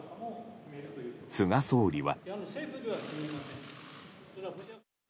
菅総理は。